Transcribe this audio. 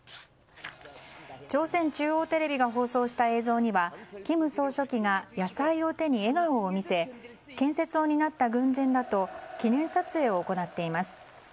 朝鮮中央テレビが放送した映像には金総書記が野菜を手に笑顔を見せ建設を担った軍事らと記念撮影を行っています。